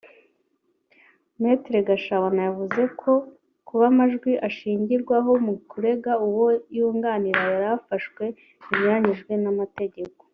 Me Gashabana yavuze ko kuba amajwi ashingirwaho mu kurega uwo yunganira yarafashwe binyuranyije n’amategeko